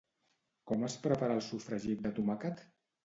Com es prepara el sofregit de tomàquet?